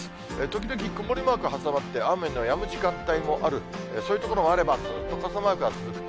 時々曇りマーク挟まって雨のやむ時間帯もある、そういう所もあれば、ずっと傘マークが続く。